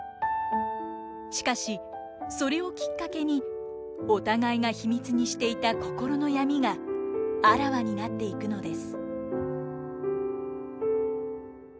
しかしそれをきっかけにお互いが秘密にしていた心の闇があらわになっていくのです。